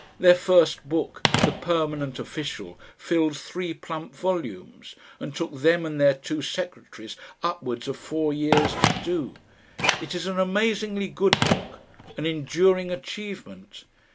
Their first book, "The Permanent Official," fills three plump volumes, and took them and their two secretaries upwards of four years to do. It is an amazingly good book, an enduring achievement.